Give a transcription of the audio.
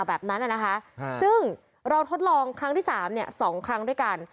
แบบนั้นนะคะซึ่งเราทดลองครั้งที่สามเนี่ยสองครั้งด้วยกัน